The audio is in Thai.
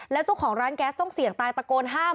แล้วเจ้าของร้านแก๊สต้องเสี่ยงตายตะโกนห้าม